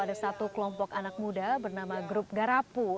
ada satu kelompok anak muda bernama grup garapu